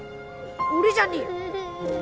俺じゃねえよ。